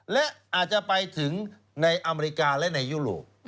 และอาจจะไปถึงในอเมริกาและในยุโรป